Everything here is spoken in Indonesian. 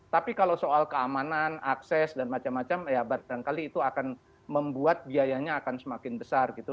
tapi kalau soal keamanan akses dan macam macam ya barangkali itu akan membuat biayanya akan semakin besar gitu